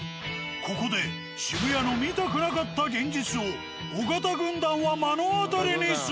ここで渋谷の見たくなかった現実を尾形軍団は目の当たりにする。